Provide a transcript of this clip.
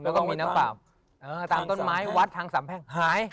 และมีในน้ำปาบตามต้นไม้วัดทางสามแพ้งหาย